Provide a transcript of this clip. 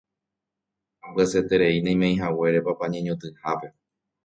ambyasyeterei naimeihaguére papa ñeñotỹhápe